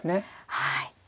はい。